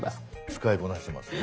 使いこなしてますね。